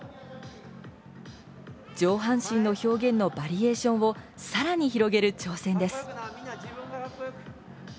上半身の表現のバリエーションを、さらに広げる挑戦です。